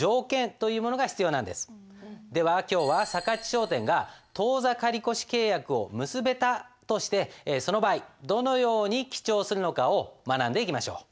商店が当座借越契約を結べたとしてその場合どのように記帳するのかを学んでいきましょう。